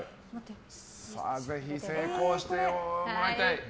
ぜひ成功してもらいたい。